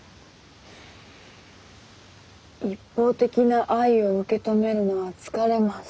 一方的な愛を受け止めるのは疲れます。